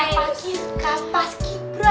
jangan lupa kata skibra